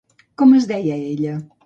Com es deia ella?